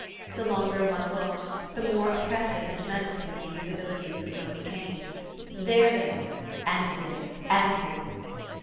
The longer one looked, the more oppressive and menacing the invisibility of the foe became. "There they are and there and _there.